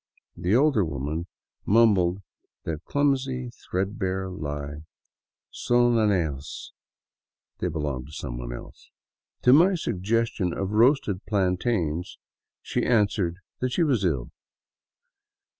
The older woman m/umbled that clumsy, threadbare He, " Son ajenos " (they be long to someone else). To my suggestion of roasted plantains she answered that she was ill.